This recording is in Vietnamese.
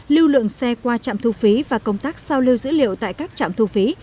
lưu lượng xe qua trạm thu phí và công tác sao lưu dữ liệu tại các trạm thu phí